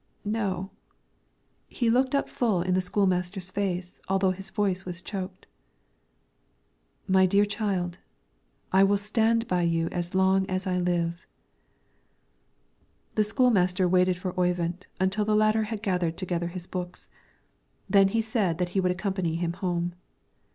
"No;" he looked up full in the school master's face, although his voice was choked. "My dear child, I will stand by you as long as I live." The school master waited for Oyvind until the latter had gathered together his books, then said that he would accompany him home.